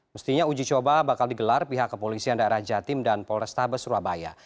mestinya uji coba bakal digelar pihak kepolisian daerah jatim dan polrestabes surabaya